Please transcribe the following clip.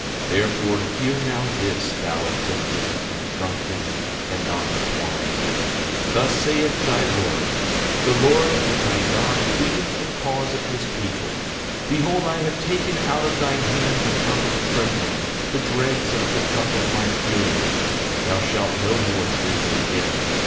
8:21 Therefore hear now this, thou afflicted, and drunken, and not with wine: 8:22 Thus saith thy Lord, the Lord and thy God pleadeth the cause of his people; behold, I have taken out of thine hand the cup of trembling, the dregs of the cup of my fury; thou shalt no more drink it again.